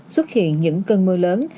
xuất hiện những cơn mưa lớn